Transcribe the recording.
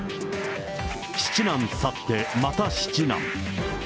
七難去ってまた七難。